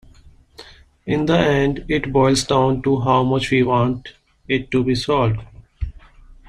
In the end it boils down to how much we want it to be solved.